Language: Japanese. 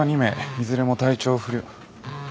いずれも体調不良。